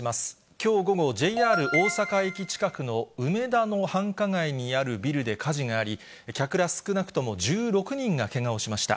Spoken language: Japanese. きょう午後、ＪＲ大阪駅近くの梅田の繁華街にあるビルで火事があり、客ら少なくとも１６人がけがをしました。